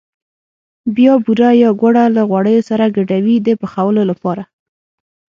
بیا بوره یا ګوړه له غوړیو سره ګډوي د پخولو لپاره.